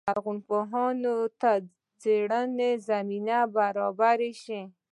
لرغونپوهانو ته څېړنې زمینه برابره شي.